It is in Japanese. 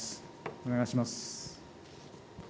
お願いします。